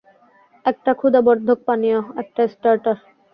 একটা ক্ষুধাবর্ধক পানীয়, একটা স্টার্টার।